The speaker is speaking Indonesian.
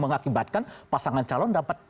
mengakibatkan pasangan calon dapat